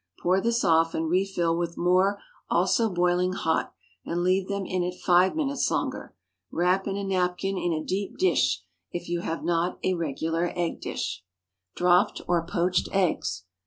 Pour this off, and refill with more, also boiling hot, and leave them in it five minutes longer. Wrap in a napkin in a deep dish, if you have not a regular egg dish. DROPPED OR POACHED EGGS.